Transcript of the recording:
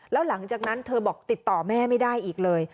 แล้วหลังจากนั้นเธอบอกติดต่อแม่ไม่ได้อีกเลย